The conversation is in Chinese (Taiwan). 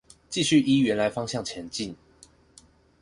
繼續依原來方向前進